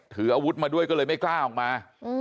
ถืออาวุธมาด้วยก็เลยไม่กล้าออกมา